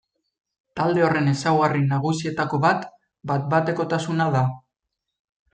Talde horren ezaugarri nagusietako bat bat-batekotasuna da.